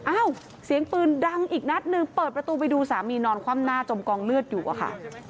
อ้าวเสียงปืนดังอีกนัดหนึ่งเปิดประตูไปดูสามีนอนคว่ำหน้าจมกองเลือดอยู่อะค่ะ